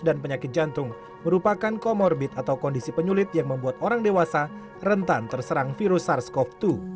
dan penyakit jantung merupakan comorbid atau kondisi penyulit yang membuat orang dewasa rentan terserang virus sars cov dua